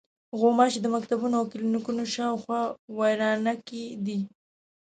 غوماشې د مکتبونو او کلینیکونو شاوخوا وېره ناکې دي.